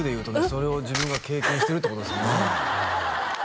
それを自分が経験してるってことですもんね